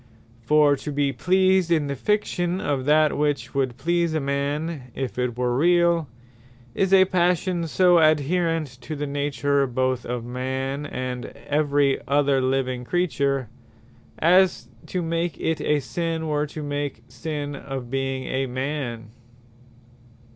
For to be pleased in the fiction of that, which would please a man if it were reall, is a Passion so adhaerent to the Nature both of a man, and every other living creature, as to make it a Sinne, were to make Sinne of being a man.